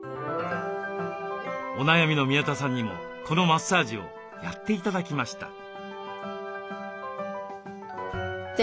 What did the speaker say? お悩みの宮田さんにもこのマッサージをやって頂きました。